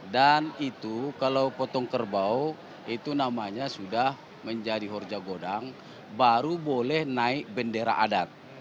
dan itu kalau potong kerbau itu namanya sudah menjadi horja godang baru boleh naik bendera adat